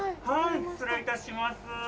失礼いたします。